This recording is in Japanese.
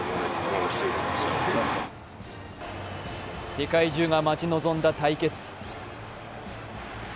世界中が待ち望んだ対決。